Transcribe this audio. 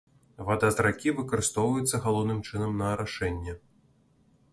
Вада з ракі выкарыстоўваецца галоўным чынам на арашэнне.